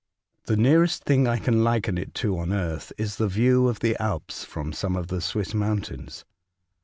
The nearest thing I can hken it to on earth is the view of the Alps from some of the Swiss mountains.